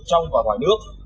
trong và ngoài nước